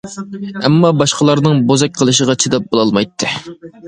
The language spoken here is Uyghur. ئەمما باشقىلارنىڭ بوزەك قىلىشىغا چىداپ بولالمايتتى.